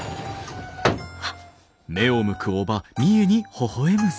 あっ。